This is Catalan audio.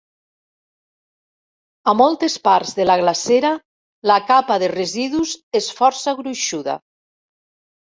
A moltes parts de la glacera, la capa de residus és força gruixuda.